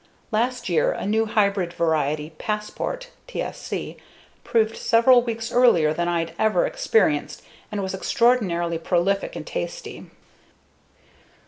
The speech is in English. Last year a new hybrid variety, Passport (TSC), proved several weeks earlier than I'd ever experienced and was extraordinarily prolific and tasty.